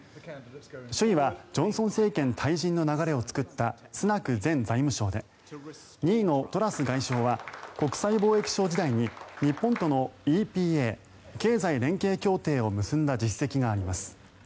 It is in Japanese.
首位はジョンソン政権退陣の流れを作ったスナク前財務相で２位のトラス外相は国際貿易相時代に日本とのＥＰＡ・経済連携協定を結んだ実績があります。